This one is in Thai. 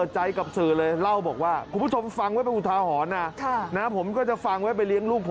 จนกว่ากระชากนั่นแหละ